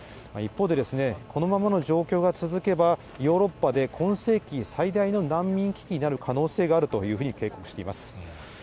一方でですね、このままの状況が続けば、ヨーロッパで今世紀最大の難民危機になる可能性があるというふうに警告しています。